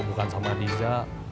kalau saya jualan sama diza